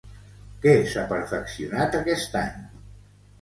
Què s'ha perfeccionat aquest any?